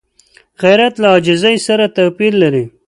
غیرت له عاجزۍ سره توپیر لري